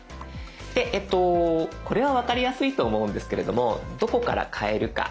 でこれは分かりやすいと思うんですけれどもどこから変えるか。